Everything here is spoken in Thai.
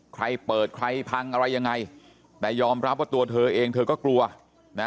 ใครเปิดใครพังอะไรยังไงแต่ยอมรับว่าตัวเธอเองเธอก็กลัวนะ